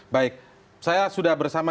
baik saya sudah bersama